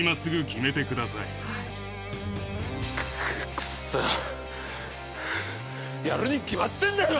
クソやるに決まってんだろ！